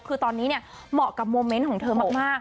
คือตอนนี้เนี่ยเหมาะกับโมเมนต์ของเธอมาก